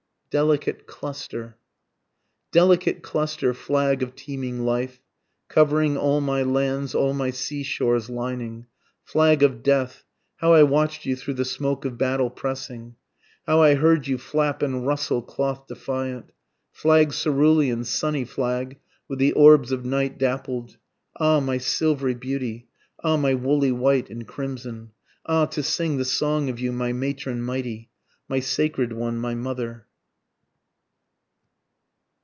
DELICATE CLUSTER. Delicate cluster! flag of teeming life! Covering all my lands all my seashores lining! Flag of death! (how I watch'd you through the smoke of battle pressing! How I heard you flap and rustle, cloth defiant!) Flag cerulean sunny flag, with the orbs of night dappled! Ah my silvery beauty ah my woolly white and crimson! Ah to sing the song of you, my matron mighty! My sacred one, my mother.